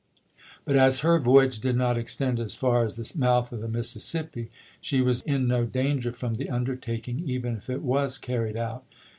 But as her voyage did not extend as far as the mouth of the Mississippi she was in no danger from the undertaking, even if it was carried out.